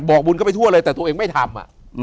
บุญเข้าไปทั่วเลยแต่ตัวเองไม่ทำ